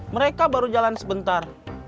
mereka baru jalan sebentar